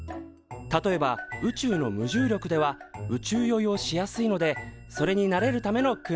例えば宇宙の無重力では宇宙よいをしやすいのでそれに慣れるための訓練。